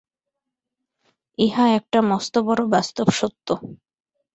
ইহা একটা মস্ত বড় বাস্তব সত্য।